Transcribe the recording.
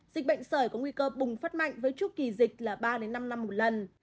dịch bệnh sởi có nguy cơ bùng phát mạnh với chút kỳ dịch là ba năm năm một lần